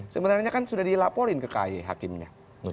sebenarnya kan sudah dilaporin ke kay hakimnya